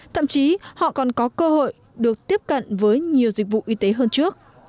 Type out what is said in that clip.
thậm chí họ còn có cơ hội được tiếp cận với nhiều dịch vụ y tế hơn trước